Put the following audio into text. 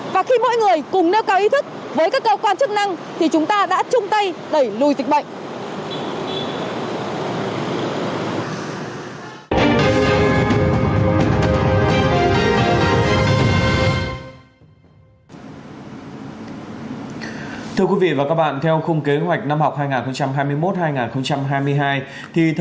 và khi mỗi người cùng nêu cao ý thức với các cơ quan chức năng thì chúng ta đã chung tay đẩy lùi dịch bệnh